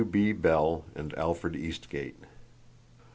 —(W.B. Bell and Alfred Eastgate.)